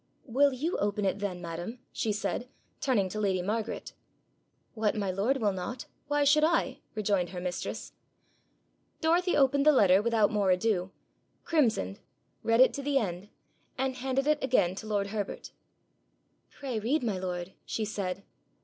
'Will you open it then, madam?' she said, turning to lady Margaret. 'What my lord will not, why should I?' rejoined her mistress. Dorothy opened the letter without more ado, crimsoned, read it to the end, and handed it again to lord Herbert. 'Pray read, my lord,' she said.